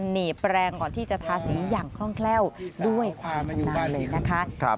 หนีแปลงก่อนที่จะทาสีอย่างคล่องแคล่วด้วยความชำนาญเลยนะคะ